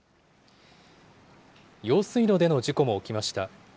用水路での事故も起きました。